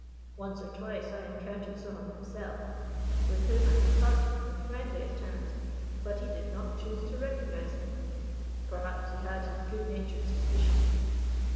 Once or twice I encountered Souham himself, with whom I had parted on the friendliest terms: but he did not choose to recognise me perhaps he had his good natured suspicions.